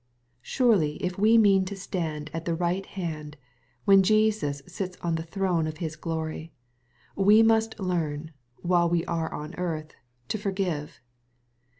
Surely if we mean to stand at the right band, when Jesus sits on the throne of His glory, we must learn, while we are on earth, to forgive.